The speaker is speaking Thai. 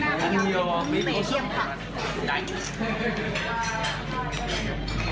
จากนั้นจะพยายามเป็นตีเตียมค่ะ